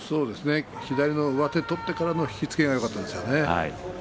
左の上手取ってからの引き付けがよかったですね。